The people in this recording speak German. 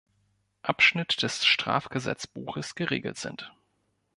Abschnitt des Strafgesetzbuches geregelt sind.